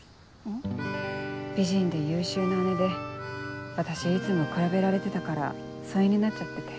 美人で優秀な姉で私いつも比べられてたから疎遠になっちゃってて。